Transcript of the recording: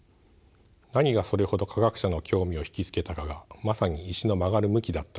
何がそれほど科学者の興味を引き付けたかがまさに石の曲がる向きだったのです。